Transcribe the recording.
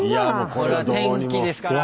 これは天気ですから。